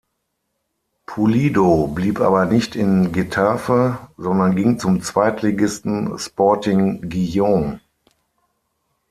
Pulido blieb aber nicht in Getafe, sondern ging zum Zweitligisten Sporting Gijón.